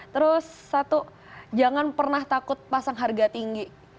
terus satu jangan pernah takut pasang harga tinggi